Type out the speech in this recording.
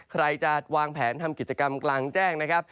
ใครจะวางแผนทำกิจกรรมกลางแจ้งนะครับ